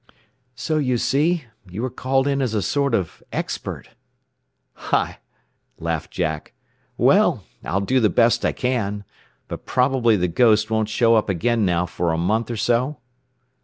"So you see, you were called in as a sort of expert." "Hi," laughed Jack. "Well, I'll do the best I can. But probably the 'ghost' won't show up again now for a month or so?"